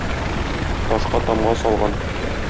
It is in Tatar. Ташка тамга салган.